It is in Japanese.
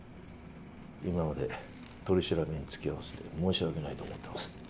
今まで取り調べにつきあわせて申し訳ないと思ってます。